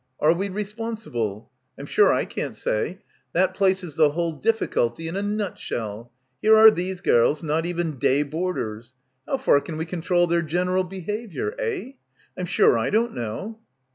Are we re sponsible? I'm sure I can't say. That places the whole difficulty in a nutshell. Here are these gels, not even day boarders. How far can we control their general behaviour? Eh? Fm sure I don't know."